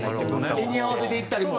絵に合わせていったりも。